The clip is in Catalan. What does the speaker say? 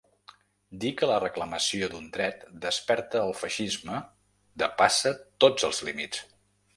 Dir que la reclamació d’un dret desperta el feixisme depassa tots els límits.